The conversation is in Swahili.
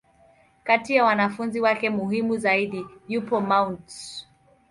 Kati ya wanafunzi wake muhimu zaidi, yupo Mt.